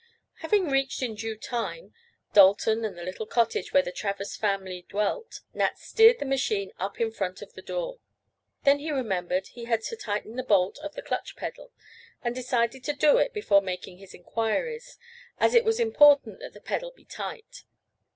Having reached, in due time, Dalton and the little cottage where the Travers family dwelt, Nat steered the machine up in front of the door. Then he remembered he had to tighten the bolt of the clutch pedal, and decided to do it before making his inquiries, as it was important that the pedal be tight.